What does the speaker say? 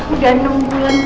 udah enam bulan